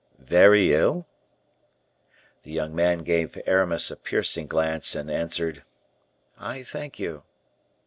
"Very ill?" The young man gave Aramis a piercing glance, and answered, "I thank you."